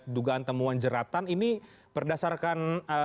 dugaan temuan jeratan ini berdasarkan